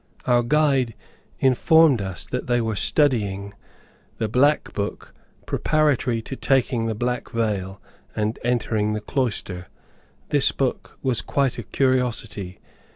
Our guide informed us that they were studying the [footnote] Black Book preparatory to taking the Black Veil and entering the Cloister. This book was quite a curiosity.